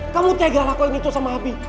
kamu tegal lakuin itu sama abi